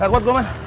gak kuat gue man